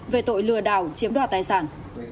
về tội lừa đảo chiếm đoát tài sản